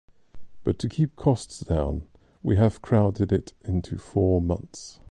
But to keep costs down, we have crowded it into four months.